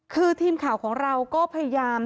คือทีมข่าวของเราก็พยายาม